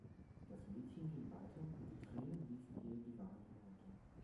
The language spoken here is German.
Das Mädchen ging weiter und die Tränen liefen ihr die Wangen hinunter.